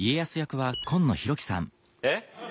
えっ？